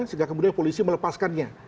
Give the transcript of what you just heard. sehingga kemudian polisi melepaskannya